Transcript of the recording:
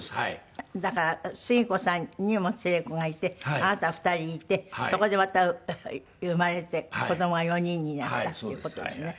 だから椙子さんにも連れ子がいてあなたは２人いてそこでまた生まれて子供が４人になったっていう事ですね。